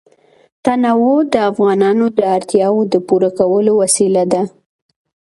تنوع د افغانانو د اړتیاوو د پوره کولو وسیله ده.